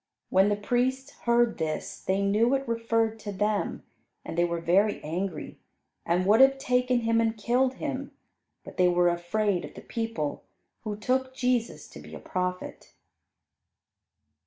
When the priests heard this they knew it referred to them, and they were very angry and would have taken Him and killed Him, but they were afraid of the people, who took Jesus to be a prophet.